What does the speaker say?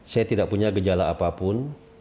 saya tidak punya gejala apapun